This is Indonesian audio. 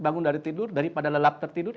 bangun dari tidur daripada lelap tertidur